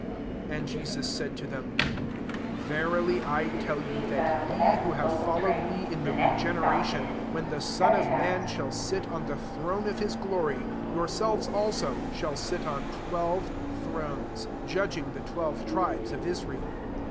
28 And Jesus said to them, " Ve rily I tell you, that ye, who have Allowed me in the regenera tion, when the Son of man shall sit on the throne of his glory, yourselvM also» shall sit on twelve thrones, jadgu^ the twelve tribes of Israel.